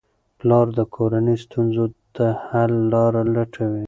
پلار د کورنۍ ستونزو ته حل لارې لټوي.